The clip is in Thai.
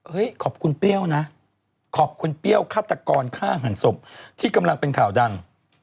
ขอบคุณเปรี้ยวนะขอบคุณเปรี้ยวฆาตกรฆ่าหันศพที่กำลังเป็นข่าวดัง